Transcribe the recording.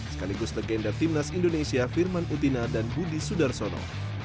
sekaligus legenda timnas indonesia firman utina dan budi sudarsono